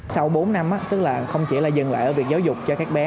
sau bốn năm tức là không chỉ là dừng lại ở việc giáo dục cho các bé